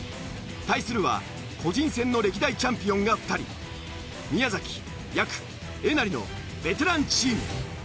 対するは個人戦の歴代チャンピオンが２人宮崎やくえなりのベテランチーム！